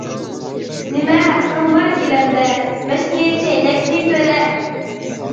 نېمە ھەققىڭ بار گىلەمدە، مەشنى، چەينەكنى تۆلە!